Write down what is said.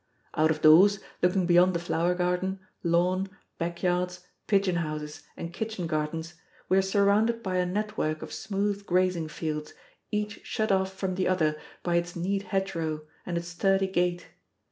Out of doors, looking beyond the flower garden, lawn, back yards, pigeon houses, and kitchen gardens, we are surrounded by a network of smooth grazing fields, each shut off from the other by its neat hedgerow and its sturdy gate.